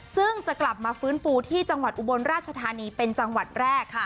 ซึ่งจะกลับมาฟื้นฟูที่จังหวัดอุบลราชธานีเป็นจังหวัดแรก